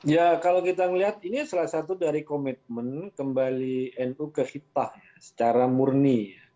ya kalau kita melihat ini salah satu dari komitmen kembali nu ke hitah secara murni